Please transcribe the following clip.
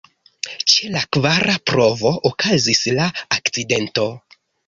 Ĉe la kvara provo okazis la akcidento.